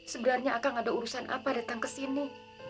sebenarnya akan ada urusan apa datang kesini